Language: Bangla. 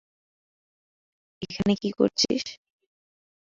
এখানে কী করছিস?